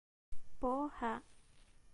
Porra!